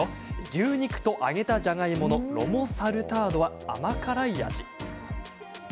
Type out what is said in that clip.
牛肉と揚げたじゃがいものロモ・サルタードは、甘辛い味。